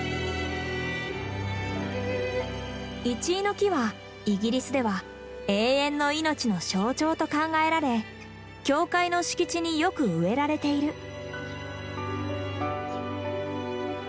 イチイの木はイギリスでは永遠の命の象徴と考えられ教会の敷地によく植えられている。